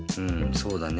そうだね。